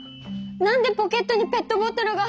何でポケットにペットボトルが入ってるの？